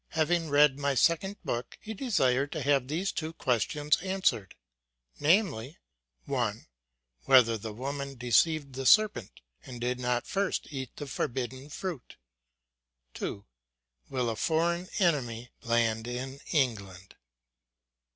Having read my second book, he desired to have these two questions answered, viz. I . Whether the woman deceived the serpent, and did not first eat the forbidden fruit ? 2. fp 7/7 a foreign enemy land in England